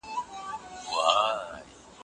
تاسي کله د پښتو ژبي لپاره قرباني ورکړه؟